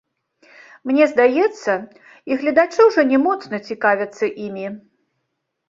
Мне здаецца, і гледачы ўжо не моцна цікавяцца імі.